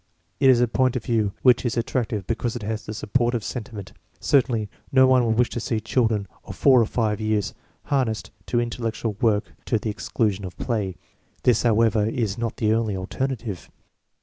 It is a point of view which is attractive, because it has the support of sentiment. Certainly no one would wish to see children of four or five years harnessed to intellectual work to the exclusion of play. This, how ever, is not the only alternative.